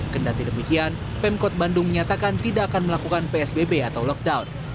kendati demikian pemkot bandung menyatakan tidak akan melakukan psbb atau lockdown